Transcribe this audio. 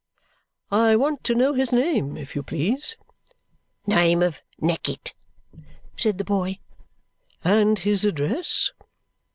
"I want to know his name, if you please?" "Name of Neckett," said the boy. "And his address?"